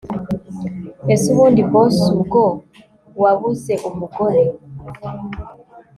ese ubundi boss ubwo wabuze umugore